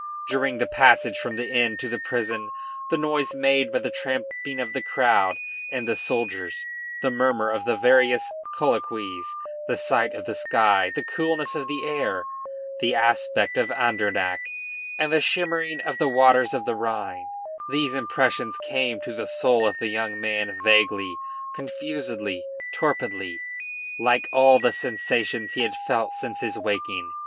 During the passage from the inn to the prison, the noise made by the tramping of the crowd and the soldiers, the murmur of the various colloquies, the sight of the sky, the coolness of the air, the aspect of Andernach and the shimmering of the waters of the Rhine, these impressions came to the soul of the young man vaguely, confusedly, torpidly, like all the sensations he had felt since his waking.